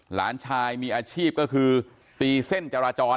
หลานชายมีอาชีพก็คือตีเส้นจราจร